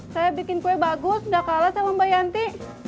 saya bikin kue bagus udah kalah sama mbak yanti